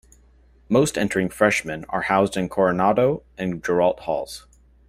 Most entering freshmen are housed in Coronado and Girault Halls.